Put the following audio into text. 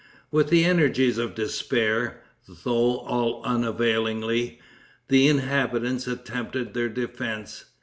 With the energies of despair, though all unavailingly, the inhabitants attempted their defense.